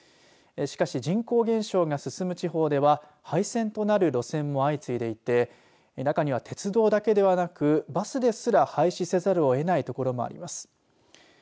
しかし人口減少が進む地方では廃線となる路線も相次いでいて中には鉄道だけではなくバスですら廃止せざるをえない所もあります。